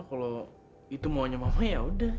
kalau itu maunya mama yaudah